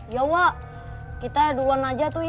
ya wak kita duluan aja tuh ya